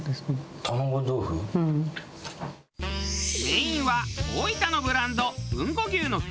メインは大分のブランド。